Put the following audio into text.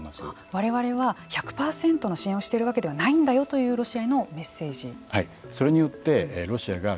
われわれは１００％の支援をしているわけではないんだよというロシアへのメッセージ。